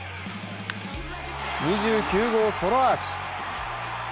２９号ソロアーチ！